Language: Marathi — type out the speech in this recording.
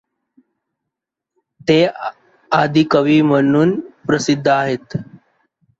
ते आदिकवि म्हणुन प्रसिद्ध आहेत.